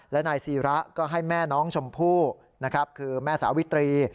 และนายศิระก็ให้แม่น้องชมพู่นะครับคือแม่สาวิตรี